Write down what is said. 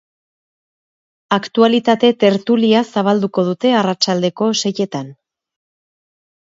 Aktualitate tertulia zabalduko dute arratsaldeko seietan.